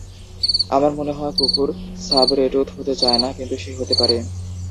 আমার মনে হয়, কুকুর সাবরেটুথ হতে চায় না, কিন্তু সে হতে পারে।